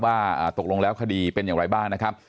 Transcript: ว่าตกลงแล้วคดีเป็นอย่างไรบ้างนะครับ